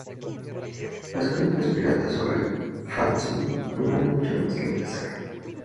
Las crónicas piratas sobre el Phazon no han hecho más que empezar...